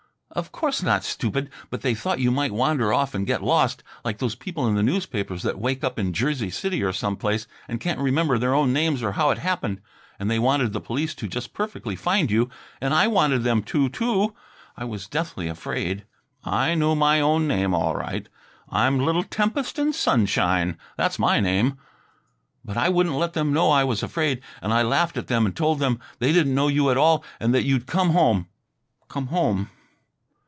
"Of course not, stupid, but they thought you might wander off and get lost, like those people in the newspapers that wake up in Jersey City or some place and can't remember their own names or how it happened, and they wanted the police to just perfectly find you, and I wanted them to, too. I was deathly afraid " "I know my own name, all right. I'm little Tempest and Sunshine; that's my name. " but I wouldn't let them know I was afraid. And I laughed at them and told them they didn't know you at all and that you'd come home come home."